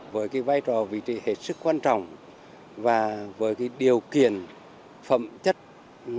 với cái vai trò vị trí hết sức quan trọng và với cái điều kiện phẩm chất